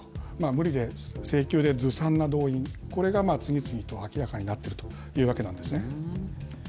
無理で性急でずさんな動員、これが次々と明らかになっているというわけなんですね。